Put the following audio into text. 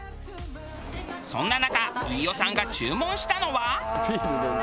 そんな中飯尾さんが注文したのは。